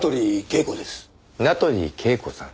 名取恵子さん。